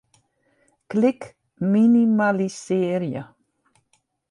Klik Minimalisearje.